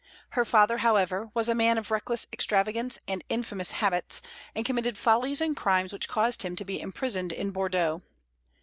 Her father, however, was a man of reckless extravagance and infamous habits, and committed follies and crimes which caused him to be imprisoned in Bordeaux.